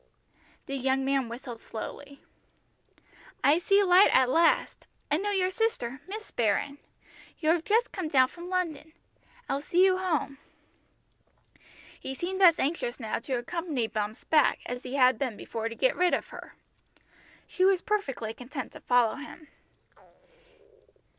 The young man whistled slowly. "I see light at last. I know your sister, Miss Baron. You have just come down from London. I'll see you home." He seemed as anxious now to accompany Bumps back as he had been before to get rid of her. She was perfectly content to follow him.